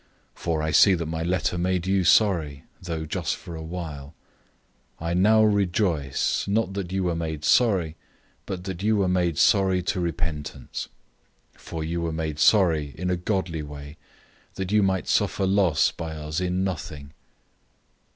For I see that my letter made you sorry, though just for a while. 007:009 I now rejoice, not that you were made sorry, but that you were made sorry to repentance. For you were made sorry in a godly way, that you might suffer loss by us in nothing.